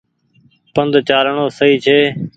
پند چآلڻو سئي ڇي۔